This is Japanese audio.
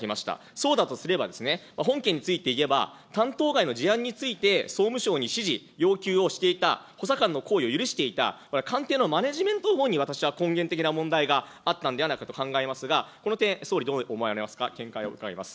そうだとすればですね、本件についていえば、担当外の事案について総務省に指示、要求をしていた補佐官の行為を許していた、官邸のマネジメントのほうに私は根源的な問題があったんではないかと考えますが、この点、総理どう思われますか、見解を伺います。